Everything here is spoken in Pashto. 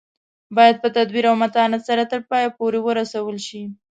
باید په تدبیر او متانت سره تر پایه پورې ورسول شي.